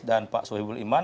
dan pak suhibul iman